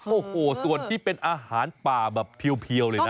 โอ้โหส่วนที่เป็นอาหารป่าแบบเพียวเลยนะ